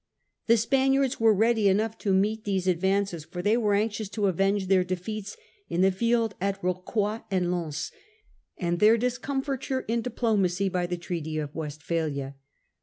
The Intrigues Spaniards were ready enough to meet these with Spain, advances, for they were anxious to avenge their defeats in the field at Rocroy and Lens, and their discomfiture in diplomacy by the Treaty of Westphalia.